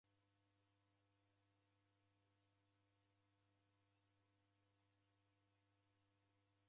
Kimanga cha mbelele chasingie loliloli.